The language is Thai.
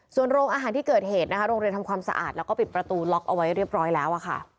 ส่วนโรงอาหารที่เกิดเหตุนะคะโรงเรียนทำความสะอาดแล้วก็ปิดประตูล็อกเอาไว้เรียบร้อยแล้วค่ะ